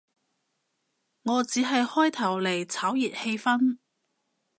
我只係開頭嚟炒熱氣氛